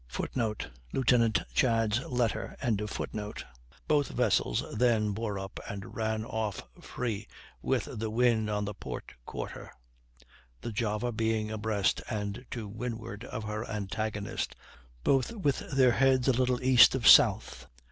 [Footnote: Lieutenant Chads' letter.] Both vessels then bore up and ran off free, with the wind on the port quarter; the Java being abreast and to windward of her antagonist, both with their heads a little east of south.